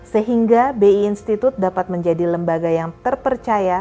sehingga bi institute dapat menjadi lembaga yang terpercaya